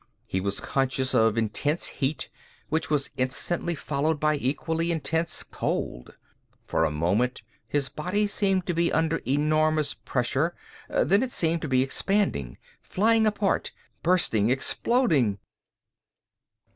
He was conscious of intense heat which was instantly followed by equally intense cold. For a moment his body seemed to be under enormous pressure, then it seemed to be expanding, flying apart, bursting, exploding....